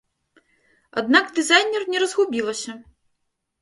Аднак дызайнер не разгубілася.